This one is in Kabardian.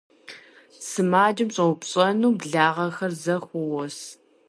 Сымаджэм щӀэупщӀэну благъэхэр зэхуос.